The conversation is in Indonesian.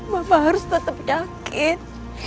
mama harus tetap yakin